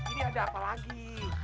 ini ada apa lagi